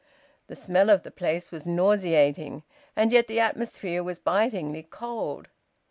The smell of the place was nauseating, and yet the atmosphere was bitingly cold.